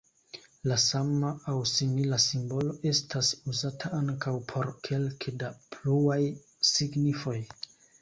La sama aŭ simila simbolo estas uzata ankaŭ por kelke da pluaj signifoj.